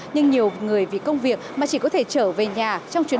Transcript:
nhưng nhiều người vì công việc mà chỉ có thể trở về với gia đình và những người thân yêu